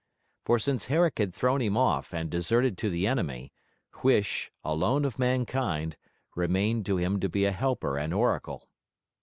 For since Herrick had thrown him off and deserted to the enemy, Huish, alone of mankind, remained to him to be a helper and oracle.